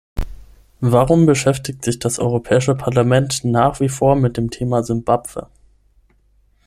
Warum beschäftigt sich das Europäische Parlament nach wie vor mit dem Thema Simbabwe?